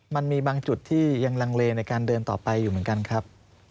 มันมีบางจุดที่ยังลังเลในการเดินต่อไปอยู่เหมือนกันครับ